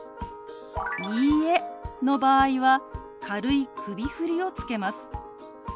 「いいえ」の場合は軽い首振りをつけます。